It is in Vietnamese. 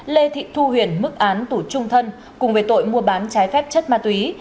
lê thị thu huyền mức án tù trung thân cùng về tội mua bán trái phép chất ma túy